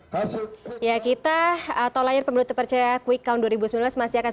ya kita atau layar pemilu terpercaya quick count dua ribu sembilan belas masih akan